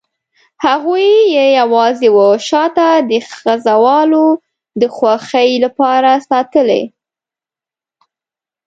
هغوی یې یوازې وه شاته د خزهوالو د خوښۍ لپاره ساتلي.